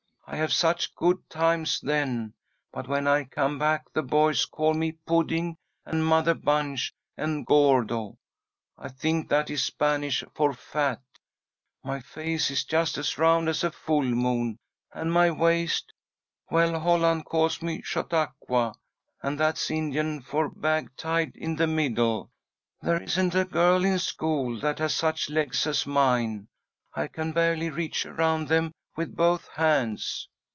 I have such good times then, but when I come back the boys call me Pudding, and Mother Bunch and Gordo. I think that is Spanish for fat. My face is just as round as a full moon, and my waist well, Holland calls me Chautauqua, and that's Indian for bag tied in the middle. There isn't a girl in school that has such legs as mine. I can barely reach around them with both hands."